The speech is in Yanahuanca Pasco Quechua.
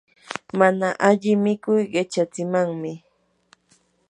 mana alli mikuy qichatsimanmi.